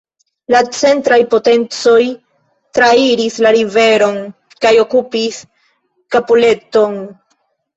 La centraj potencoj trairis la riveron kaj okupis Caporetto-n.